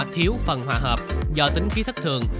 thiếu phần hòa hợp do tính khí thất thường